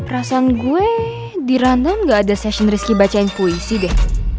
rasaan gue di random gak ada session risky bacain puisi deh